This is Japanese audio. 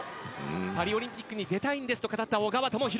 パリオリンピックに出たいんですと語った小川智大。